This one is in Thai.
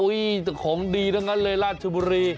แต่ของดีทั้งนั้นเลยราชบุรี